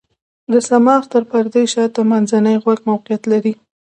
د صماخ تر پردې شاته منځنی غوږ موقعیت لري.